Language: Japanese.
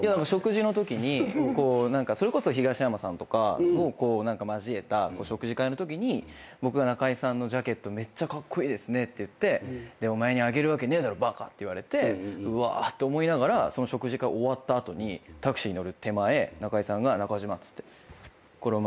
それこそ東山さんとかも交えたお食事会のときに僕が中居さんのジャケットめっちゃカッコイイですねって言って「お前にあげるわけねえだろバカ！」って言われてうわーって思いながらその食事会終わった後にタクシーに乗る手前中居さんが「中島」っつって。